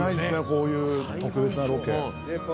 こういう特別なロケ。